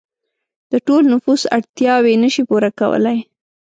د ټول نفوس اړتیاوې نشي پوره کولای.